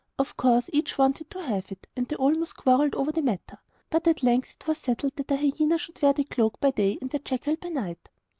Of course each wanted to have it, and they almost quarrelled over the matter; but at length it was settled that the hyena should wear the cloak by day and the jackal by night.